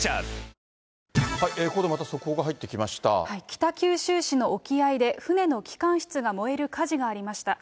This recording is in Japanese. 北九州市の沖合で、船の機関室が燃える火事がありました。